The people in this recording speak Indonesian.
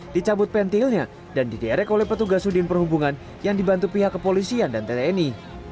dicabut pentilnya dan diderek oleh petugas udin perhubungan yang dibantu pihak kepolisian dan tni